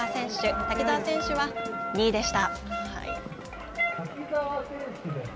滝澤選手は、２位でした。